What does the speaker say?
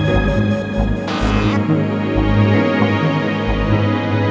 gak apa apa jagain ke arah